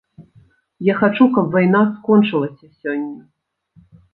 Я хачу, каб вайна скончылася сёння.